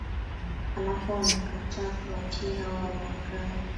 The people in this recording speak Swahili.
halafu anakataa kuwatii wao anawakai